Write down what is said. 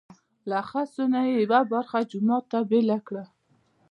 له خسو نه یې یوه برخه جومات ته بېله کړه.